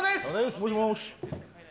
もしもし。